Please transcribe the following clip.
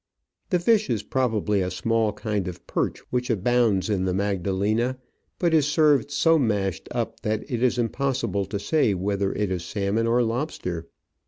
The fish is probably a small kind of perch which abounds in the Magdalena, but is served so mashed up that it is impossible to say whether it is salmon or lobster.